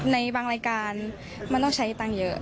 ในบางรายการมันต้องใช้ตังค์เยอะ